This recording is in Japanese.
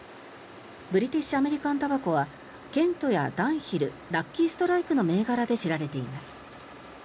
ブリティッシュ・アメリカン・タバコはケントやダンヒルラッキー・ストライクの銘柄で知られています。